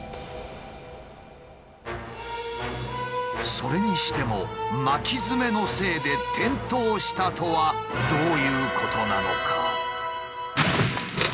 それにしても巻きヅメのせいで転倒したとはどういうことなのか？